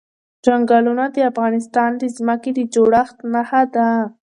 چنګلونه د افغانستان د ځمکې د جوړښت نښه ده.